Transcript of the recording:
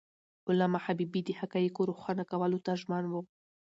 علامه حبيبي د حقایقو روښانه کولو ته ژمن و.